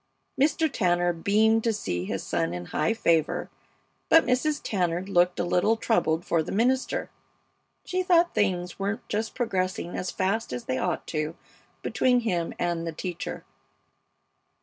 Mr. Tanner beamed to see his son in high favor, but Mrs. Tanner looked a little troubled for the minister. She thought things weren't just progressing as fast as they ought to between him and the teacher.